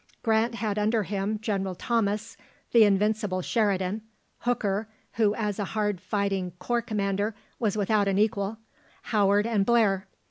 Grant had under him General Thomas, the invincible Sheridan, Hooker who, as a hard fighting corps commander, was without an equal Howard and Blair.